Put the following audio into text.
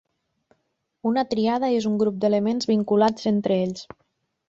Una tríada és un grup d'elements vinculats entre ells.